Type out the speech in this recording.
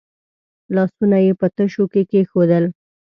لاسونه یې په تشو کې کېښودل.